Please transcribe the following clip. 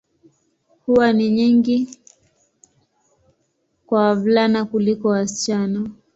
Huwa ni nyingi kwa wavulana kuliko wasichana.